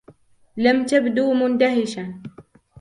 لم تبدو مندهشا.